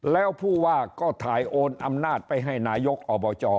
แล้วผู้ว่าก็ถ่ายโอนอำนาจไปให้นายกอบจ